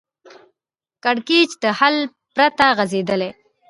کړکېچ د حل پرته غځېدلی